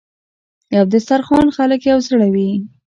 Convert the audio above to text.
د یو دسترخان خلک یو زړه وي.